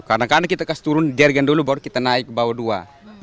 kadang kadang kita kasih turun jergen dulu baru kita naik ke bawah dua